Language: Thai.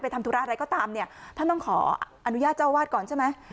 ทำธุระอะไรก็ตามเนี่ยท่านต้องขออนุญาตเจ้าวาดก่อนใช่ไหม